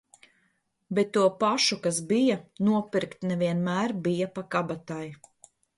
Bet to pašu, kas bija, nopirkt ne vienmēr bija pa kabatai.